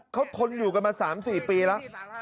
เขาทนอยู่กันมา๓๔ปีแล้ว